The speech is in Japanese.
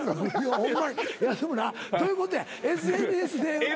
安村どういうことやＳＮＳで。